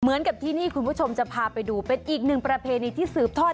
เหมือนกับที่นี่คุณผู้ชมจะพาไปดูเป็นอีกหนึ่งประเพณีที่สืบทอด